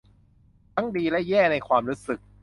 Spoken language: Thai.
ทั้งดีและแย่ในความรู้สึก